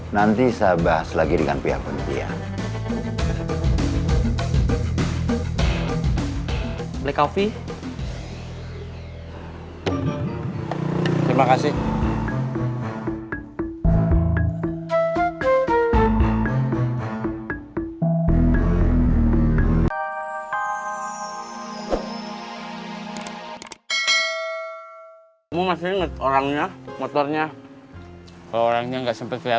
nanti saya bahas lagi dengan pihak pihak